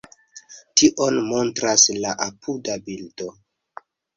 Tion montras la apuda bildo.